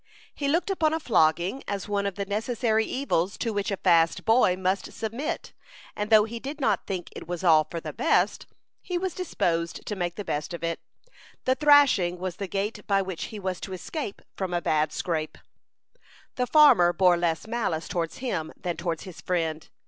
He looked upon a flogging as one of the necessary evils to which a fast boy must submit; and though he did not think it was all for the best, he was disposed to make the best of it. The thrashing was the gate by which he was to escape from a bad scrape. The farmer bore less malice towards him than towards his friend.